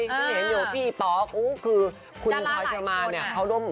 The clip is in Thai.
คุณเห็นอยู่พี่ป๊อกอู้คือคุณพลอยเชียวมากเนี่ย